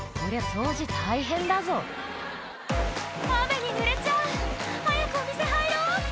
掃除大変だぞ「雨にぬれちゃう！早くお店入ろう！」